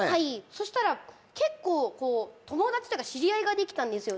そしたら結構友達というか知り合いができたんですよ